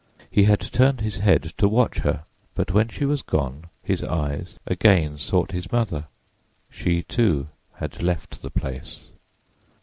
He had turned his head to watch her, but when she was gone his eyes again sought his mother. She too had left the place.